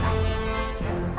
takut kepada dirimu